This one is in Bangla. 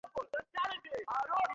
চার ব্যক্তি তাদের কাছে দণ্ডায়মান ছিল।